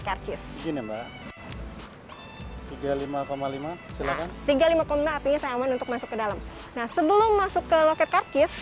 karkis tiga puluh lima lima silakan tiga puluh lima lima apinya saya aman untuk masuk ke dalam nah sebelum masuk ke loket karkis